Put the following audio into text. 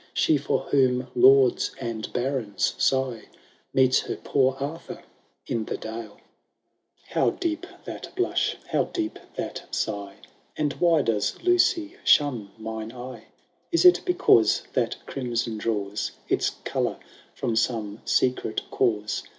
She for whom lords and barons sigh. Meets her poor Arthur in the dale. IV. How deep that blush !— how deep that sigh ! And why does Lucy shun mine eye ? Is it because that crimson draws Its colour (rom some secret cause.